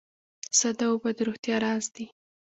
ساده اوبه د روغتیا راز دي